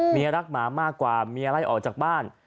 เมียรักหมามากกว่าเมียไล่ออกจากบ้าน